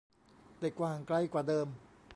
ได้กว้างไกลกว่าเดิม